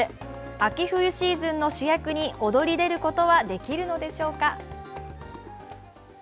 秋冬シーズンの主役に躍り出ることはできるのでしょうか。